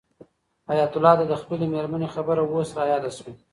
حیات الله ته د خپلې مېرمنې خبره اوس رایاده شوه.